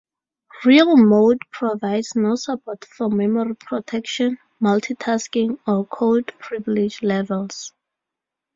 Real mode provides no support for memory protection, multitasking, or code privilege levels.